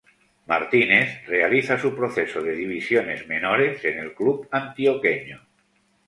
Martinez realiza su proceso de divisiones menores en el club antioqueño.